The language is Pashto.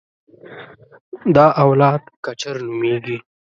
دا اولاد کچر نومېږي.